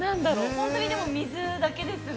◆本当にでも、水だけですね。